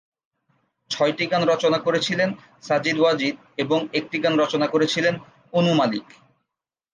ছয়টি গান রচনা করেছিলেন সাজিদ-ওয়াজিদ এবং একটি গানটি রচনা করেছিলেন অনু মালিক।